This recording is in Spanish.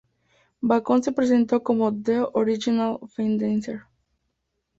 Bacon se presentó como "The Original Fan Dancer".